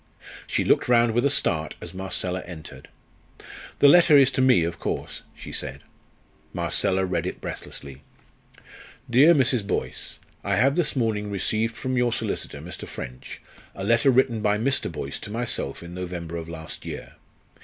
She looked round with a start as Marcella entered. "The letter is to me, of course," she said. Marcella read it breathlessly. "Dear Mrs. Boyce, I have this morning received from your solicitor, Mr. French, a letter written by Mr. Boyce to myself in November of last year.